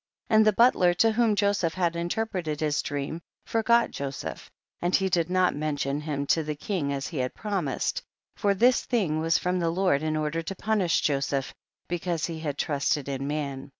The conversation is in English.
19. And the butler, to whom Jo seph had interpreted his dream, for got Joseph, and he did not mention him to the king as he had promised, for this thing was from the Lord in order to punish Joseph because he had trusted in man.